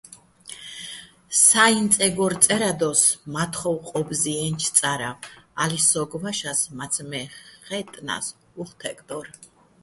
საჲიჼ წეგორ წე́რადოს მა́თხოვ ყო́ბზჲიენჩო̆ წარავ - ა́ლ'იჼ სო́გო̆ ვაშას, მაცმე́ ხაჲტტნა́ს, უ̂ხ თე́გდო́რ.